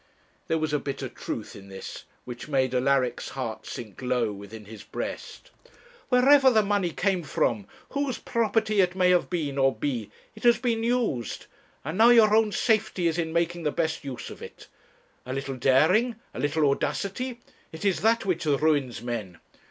There was a bitter truth in this which made Alaric's heart sink low within his breast. 'Wherever the money came from, whose property it may have been or be, it has been used; and now your only safety is in making the best use of it. A little daring, a little audacity it is that which ruins men.